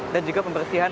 dan juga pembersihan